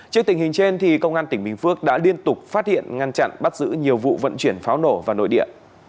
trước tình hình trên công an tỉnh bình phước đã liên tục phát hiện ngăn chặn bắt giữ nhiều vụ vận chuyển pháo nổ vào nội địa